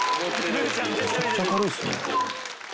めちゃくちゃ明るいっすね！